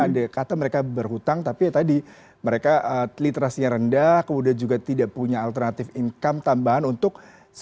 ada kata mereka berhutang tapi ya tadi mereka literasinya rendah kemudian juga tidak punya alternatif income tambahan untuk